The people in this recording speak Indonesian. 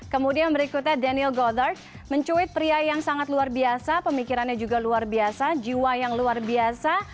kemudian berikutnya daniel goldhart mencuit pria yang sangat luar biasa pemikirannya juga luar biasa jiwa yang luar biasa